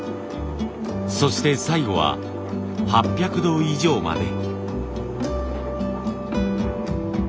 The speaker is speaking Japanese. そして最後は８００度以上まで。